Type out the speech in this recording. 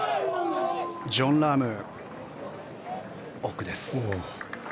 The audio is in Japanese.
ジョン・ラーム奥です。